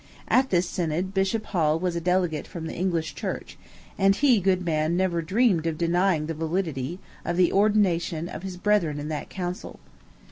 At this synod, Bishop Hall was a delegate from the English church; and he, good man, never dreamed of denying the validity of the ordination of his brethren in that council.